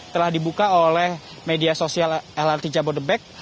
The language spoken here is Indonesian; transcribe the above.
telah dibuka oleh media sosial lrt jabodebek